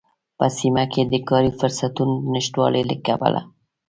په سيمه کې د کاری فرصوتونو د نشتوالي له کبله